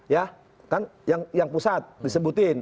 ya kan yang pusat disebutin